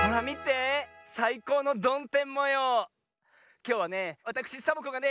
きょうはねわたくしサボ子がね